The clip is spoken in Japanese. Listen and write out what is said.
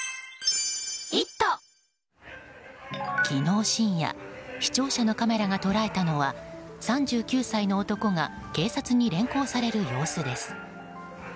昨日深夜視聴者のカメラが捉えたのは３９歳の男が警察に連行される様子です。